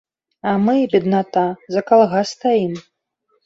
А мы, бедната, за калгас стаім!